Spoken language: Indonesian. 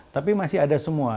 tapi masih ada semua